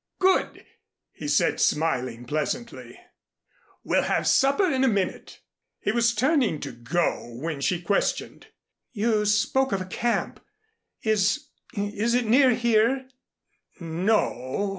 "Good!" he said smiling pleasantly. "We'll have supper in a minute." He was turning to go, when she questioned: "You spoke of a camp. Is is it near here?" "N o.